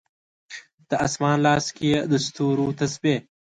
د اسمان لاس کې یې د ستورو تسبې